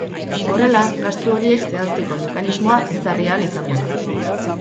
Horrela, gastu horiek zehazteko mekanismoa ezarri ahal izango da.